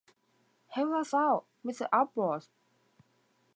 Help us out, mister abbot?